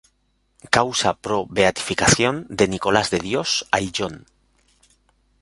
Causa pro beatificación de Nicolás de Dios Ayllón